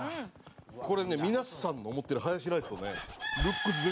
これね皆さんの思ってるハヤシライスとね。